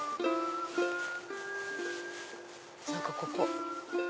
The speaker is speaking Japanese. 何かここ。